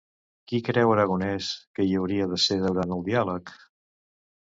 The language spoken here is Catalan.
Qui creu Aragonès que hi hauria de ser durant el diàleg?